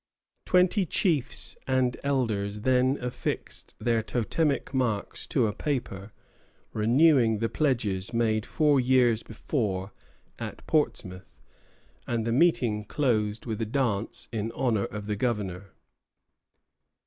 Twenty chiefs and elders then affixed their totemic marks to a paper, renewing the pledges made four years before at Portsmouth, and the meeting closed with a dance in honor of the governor.